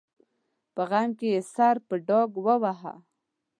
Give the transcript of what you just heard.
په غم کې یې سر په ډاګ وواهه.